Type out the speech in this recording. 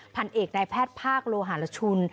พันธุ์เอกในแพทย์ภาคโลหารชุน